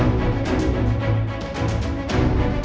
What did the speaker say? masih butuh waktu pak